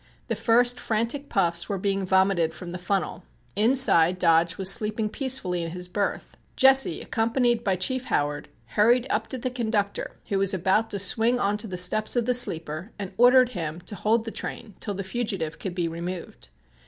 The first frantic puffs were being vomited from the funnel. Inside Dodge was sleeping peacefully in his berth. Jesse, accompanied by Chief Howard, hurried up to the conductor who was about to swing on to the steps of the sleeper, and ordered him to hold the train till the fugitive could be removed.